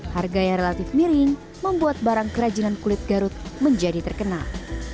harga yang relatif miring membuat barang kerajinan kulit garut menjadi terkenal